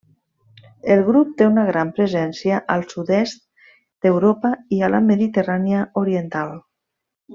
El grup té una gran presència al sud-est d'Europa i a la Mediterrània oriental.